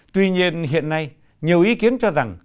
tuy nhiên hiện nay nhiều ý kiến cho rằng